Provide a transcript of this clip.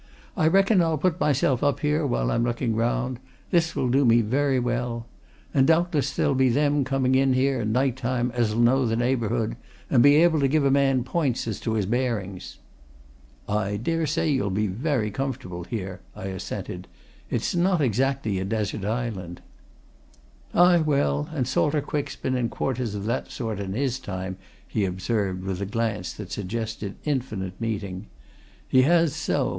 "I reckon I'll put myself up here, while I'm looking round this will do me very well. And doubtless there'll be them coming in here, night time, as'll know the neighbourhood, and be able to give a man points as to his bearings." "I daresay you'll be very comfortable here," I assented. "It's not exactly a desert island." "Aye, well, and Salter Quick's been in quarters of that sort in his time," he observed, with a glance that suggested infinite meaning. "He has, so!